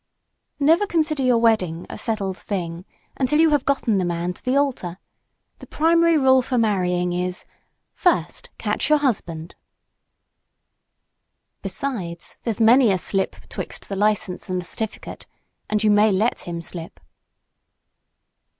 Never consider your wedding a settled thing until you have gotten the man to the altar. The primary rule for marrying is "First catch your husband!" Besides, there's many a slip 'twixt the license and the certificate and you may let him slip.